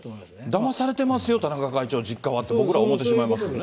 だまされてますよ、田中会長、実家はって僕らは思ってしまいます。